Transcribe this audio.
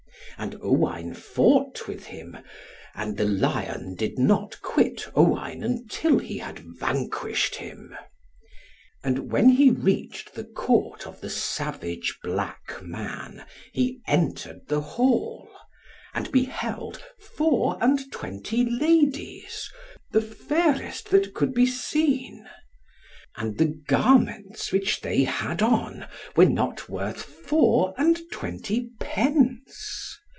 And Owain fought with him, and the lion did not quit Owain, until he had vanquished him. And when he reached the Court of the savage black man, he entered the hall: and beheld four and twenty ladies, the fairest that could be seen. And the garments which they had on, were not worth four and twenty pence.